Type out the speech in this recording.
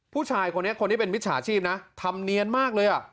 ผู้ชายคนนี้คนที่เป็นมิจฉาชีพนะทำเนียนมากเลย